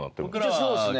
一応そうですね